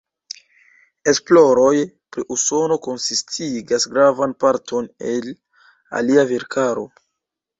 Esploroj pri Usono konsistigas gravan parton el lia verkaro.